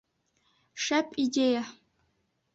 Шәп идея!